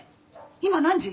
今何時！？